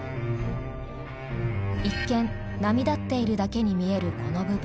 一見波立っているだけに見えるこの部分。